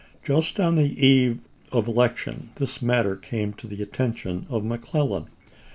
Just on the eve of election this matter came to the attention of McClellan.